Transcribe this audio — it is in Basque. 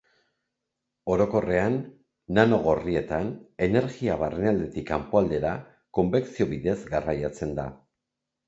Orokorrean, nano gorrietan, energia barnealdetik kanpoaldera konbekzio bidez garraiatzen da.